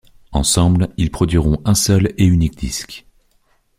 Ensemble, ils produiront un seul et unique disque.